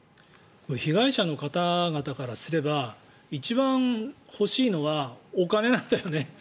被害者の方々からすれば一番欲しいのはお金なんだよね。